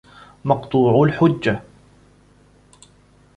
مَقْطُوعَ الْحُجَّةِ